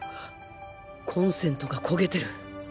コンセントが焦げてる。